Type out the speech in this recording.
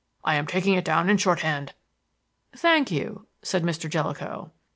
"I am taking it down in shorthand." "Thank you," said Mr. Jellicoe.